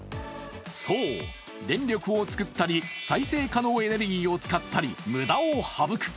そう、電力を作ったり、再生可能エネルギーを使ったり、無駄を省く。